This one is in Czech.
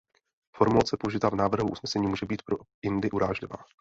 Formulace použitá v návrhu usnesení může být pro Indy urážlivá.